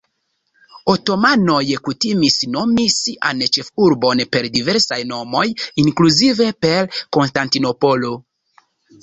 Otomanoj kutimis nomi sian ĉefurbon per diversaj nomoj, inkluzive per Konstantinopolo.